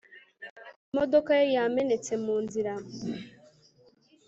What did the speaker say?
Imodoka ye yamenetse mu nzira